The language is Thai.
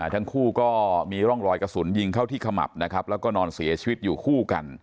ทั้งคู่ก็มีร่องรอยกระสุนยิงเข้าที่ขมับนะครับแล้วก็นอนเสียชีวิตอยู่คู่กัน